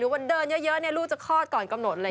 หรือว่าเดินเยอะลูกจะคลอดก่อนกำหนด